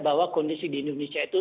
bahwa kondisi di indonesia itu